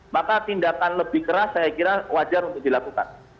maka tindakan lebih keras saya kira wajar untuk dilakukan